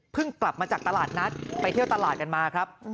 กลับมาจากตลาดนัดไปเที่ยวตลาดกันมาครับ